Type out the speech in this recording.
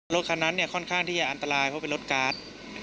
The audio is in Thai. รถคันนั้นค่อนข้างอันตรายเพราะว่าเป็นรถการ์ด